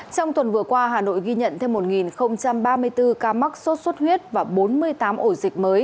trong tuần vừa qua hà nội ghi nhận thêm một ba mươi bốn ca mắc sốt xuất huyết và bốn mươi tám ổ dịch mới